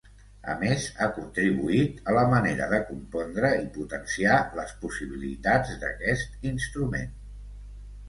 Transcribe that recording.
A més, ha contribuït a la manera de compondre i potenciar les possibilitats d'aquest instrument.